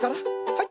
はい。